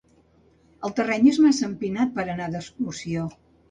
El terreny és massa empinat per anar d'excursió.